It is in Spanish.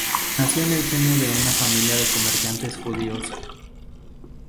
Nació en el seno de una familia de comerciantes judíos.